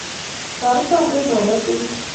Toreta eng' banda tugul,